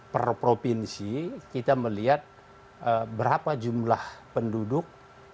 per provinsi kita melihat berapa jumlah penduduk